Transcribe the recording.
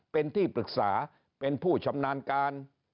เป็นที่ปรึกษาเป็นผู้ชำนาญการ